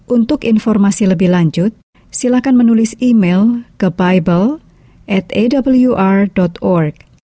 untuk informasi lebih lanjut silahkan menulis email ke bible atawr org